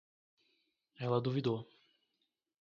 Ela duvidou